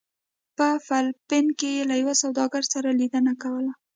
په فلپین کې یې له یو سوداګر سره لیدنه کوله.